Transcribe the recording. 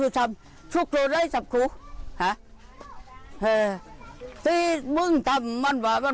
ติดมึ่งทำล่ะ